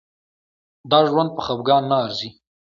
دا ژوند په خفګان نه ارزي.